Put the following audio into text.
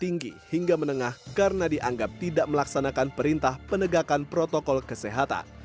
tinggi hingga menengah karena dianggap tidak melaksanakan perintah penegakan protokol kesehatan